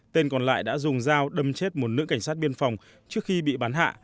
tên còn lại đã dùng dao đâm chết một nữ cảnh sát biên phòng trước khi bị bắn hạ